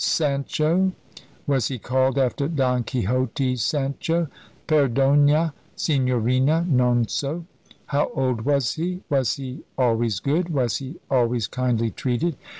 "Sancho." "Was he called after Don Quixote's Sancho?" "Perdona, Signorina Non so." "How old was he? Was he always good? Was he always kindly treated?"